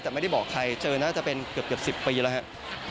แต่ไม่ได้บอกใครเจอน่าจะเป็นเกือบ๑๐ปีแล้วครับ